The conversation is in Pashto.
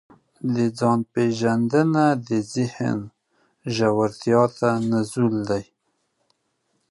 د ځان پېژندنه د ذهن ژورتیا ته نزول دی.